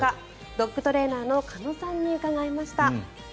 ドッグトレーナーの鹿野さんに伺いました。